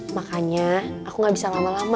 makanya aku gak bisa lama lama